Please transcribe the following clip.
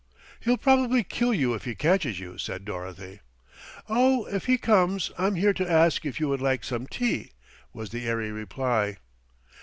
"He'll probably kill you if he catches you," said Dorothy. "Oh, if he comes I'm here to ask if you would like some tea," was the airy reply.